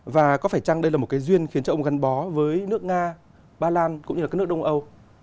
và có phải chăng đây là một cái duyên khiến cho ông gắn bó với nước nga ba lan cũng như là các nước đông âu